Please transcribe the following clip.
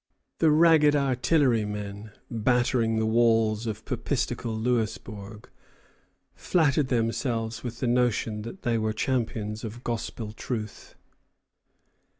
The ragged artillerymen, battering the walls of papistical Louisbourg, flattered themselves with the notion that they were champions of gospel truth.